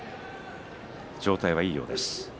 状態はいいようです。